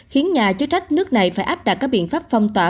khiến nhà chức trách nước này phải áp đặt các biện pháp phong tỏa